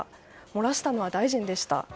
漏らしたのは、大臣でした。